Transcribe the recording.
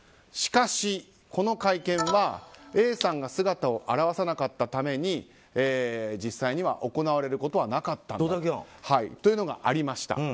しかし、この会見はＡさんが姿を現さなかったために実際行われることはなかったというのがありました。